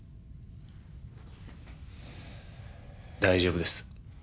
大丈夫です。